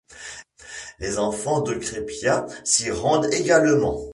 Les enfants de Crépiat s'y rendent également.